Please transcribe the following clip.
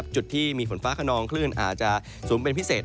จุดที่มีฝนฟ้าขนองคลื่นอาจจะสูงเป็นพิเศษ